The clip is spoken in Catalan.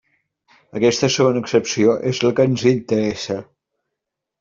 Aquesta segona accepció és la que ens interessa.